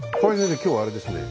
今日あれですね。